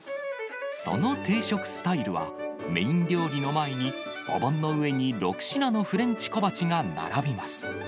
その定食スタイルは、メイン料理の前に、お盆の上に６品のフレンチ小鉢が並びます。